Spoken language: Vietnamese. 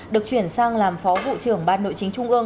được chuyển sang làm phó vụ trưởng ban nội chính trị